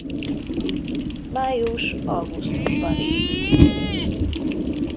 Május-augusztusban ívik.